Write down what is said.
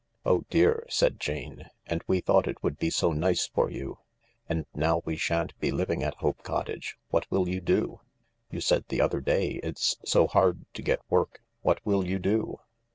" Oh dear," said Jane, "and we thought it would be so nice for you 1 And now we shan't be living at Hope Cottage, what will you do ? You said the other day it 's so hard to get work. What will you do